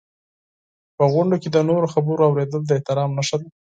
په غونډو کې د نورو خبرو اورېدل د احترام نښه ده.